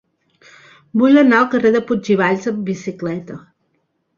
Vull anar al carrer de Puig i Valls amb bicicleta.